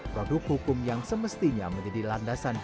produk hukum yang semestinya menjadi landasan di dalam kesejahteraan